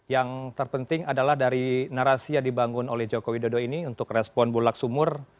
yang terpenting adalah dari narasi yang dibangun oleh joko widodo ini untuk respon bulak sumur